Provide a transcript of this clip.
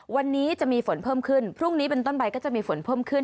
วันนี้จะมีฝนเพิ่มขึ้นพรุ่งนี้เป็นต้นไปก็จะมีฝนเพิ่มขึ้น